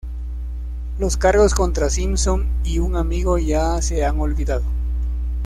Los cargos contra Simpson y un amigo ya se han olvidado.